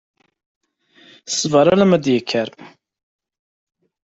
Ssbeṛ alma i d-yekker.